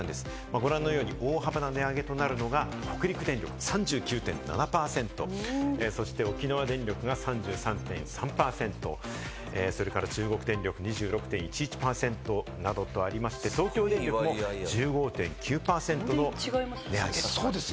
ご覧のように大幅な値上げとなるのが北陸電力の３９．７％、そして沖縄電力が３３．３％、中国電力で２６．１１％、東京電力でも１５．９％の値上げ。